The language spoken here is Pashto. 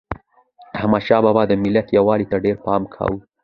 احمدشاه بابا د ملت یووالي ته ډېر پام کاوه.